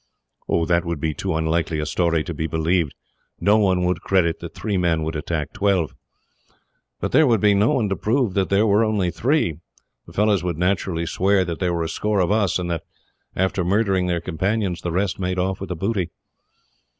"That would be too unlikely a story to be believed. No one would credit that three men would attack twelve." "But there would be no one to prove that there were only three. The fellows would naturally swear that there were a score of us, and that, after murdering their companions, the rest made off with the booty.